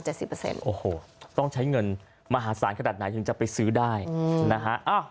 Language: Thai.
โอ้โหต้องใช้เงินมหาศาลขนาดไหนถึงจะไปซื้อได้อืมนะฮะ